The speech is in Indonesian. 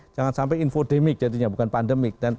jangan sampai infodemik jadinya bukan pandemik